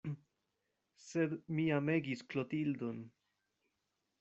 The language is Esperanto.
Sed mi amegis Klotildon.